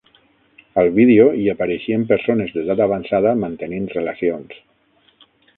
Al vídeo hi apareixien persones d'edat avançada mantenint relacions.